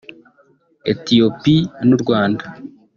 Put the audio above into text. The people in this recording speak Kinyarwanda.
Ethiopie n’u Rwanda